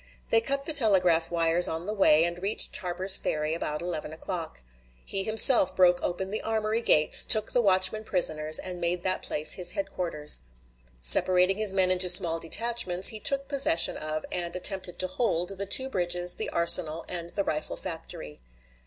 They cut the telegraph wires on the way, and reached Harper's Ferry about 11 o'clock. He himself broke open the armory gates, took the watchmen prisoners, and made that place his headquarters. Separating his men into small detachments, he took possession of, and attempted to hold, the two bridges, the arsenal, and the rifle factory.